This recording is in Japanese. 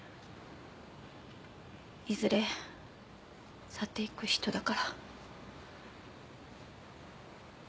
いずれ去っていく人だから。